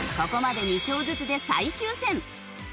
ここまで２勝ずつで最終戦。